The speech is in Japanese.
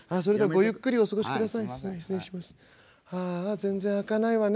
「それではごゆっくりお過ごしください」。